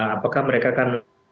apakah mereka akan